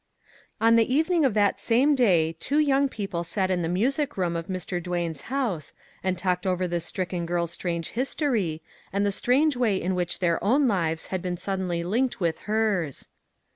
On the evening of that same day two young people sat in the music room of Mr. Duane's house and talked over this stricken girl's strange history, and the strange way in which their own lives had been suddenly linked with her's.